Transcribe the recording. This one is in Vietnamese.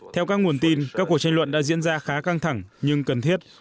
theo các nguồn tin các cuộc tranh luận đã diễn ra khá căng thẳng nhưng cần thiết